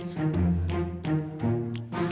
saya akan mencari si ipa